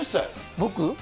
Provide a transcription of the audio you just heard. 僕？